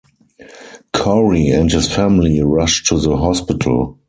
Cory and his family rush to the hospital.